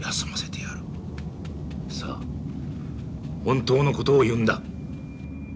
さあ本当の事を言うんだ。